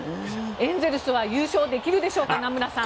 エンゼルスは優勝できるでしょうか名村さん。